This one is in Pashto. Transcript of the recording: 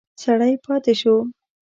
سړی پاتې شو.